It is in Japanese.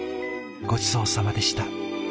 ごちそうさまでした。